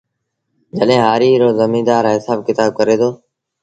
جڏهيݩ هآريٚ رو زميݩدآر هسآب ڪتآب ڪري دو